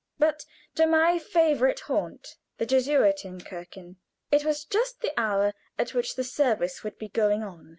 but to my favorite haunt, the Jesuiten Kirche. It was just the hour at which the service would be going on.